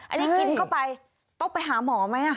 อันนี้กินเข้าไปต้องไปหาหมอไหม